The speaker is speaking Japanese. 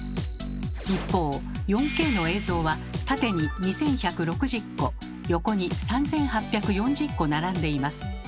一方４Ｋの映像は縦に２，１６０個横に３，８４０個並んでいます。